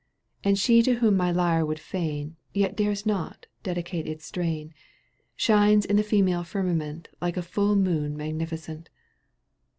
And she to whom my lyre would fain, Yet dares no^, dedicate its strain, Shines in the female firmament like a full moon magnificent.